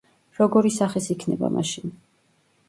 როგორი სახის იქნება მაშინ?